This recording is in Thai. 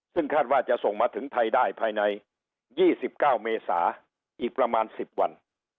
ซึ่งคาดว่าจะส่งมาถึงไทยได้ภายใน๒๙เมษาอีกประมาณ๑๐วัน